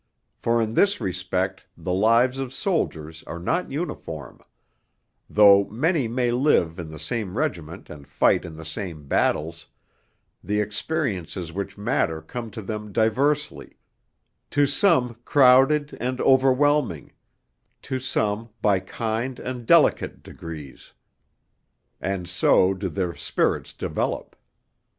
For in this respect the lives of soldiers are not uniform; though many may live in the same regiment and fight in the same battles, the experiences which matter come to them diversely to some crowded and overwhelming, to some by kind and delicate degrees. And so do their spirits develop.